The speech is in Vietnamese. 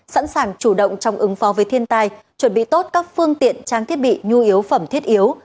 sẵn sàng chủ động trong ứng phó với thiên tai chuẩn bị tốt các phương tiện trang thiết bị nhu yếu phẩm thiết yếu